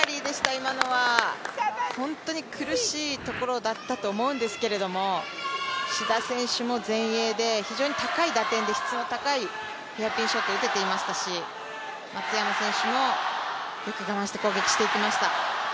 今のは本当に苦しいところだったと思うんですけれども、志田選手も前衛で質の高いヘアピンショット打てていましたし、松山選手もよく我慢して攻撃していきました。